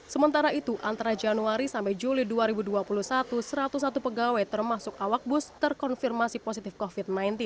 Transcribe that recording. sementara itu antara januari sampai juli dua ribu dua puluh satu satu ratus satu pegawai termasuk awak bus terkonfirmasi positif covid sembilan belas